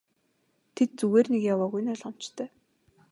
Тэд зүгээр нэг яваагүй нь ойлгомжтой.